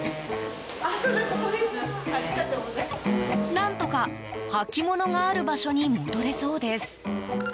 何とか履物がある場所に戻れそうです。